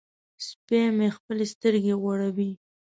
سپی مې خپلې سترګې غړوي.